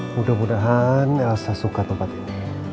mudah mudahan elsa suka tempat ini